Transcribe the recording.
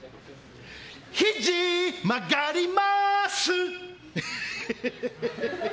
ひじ曲がります！